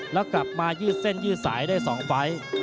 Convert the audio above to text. แล้วกลับมายืดเส้นยืดสายได้๒ไฟล์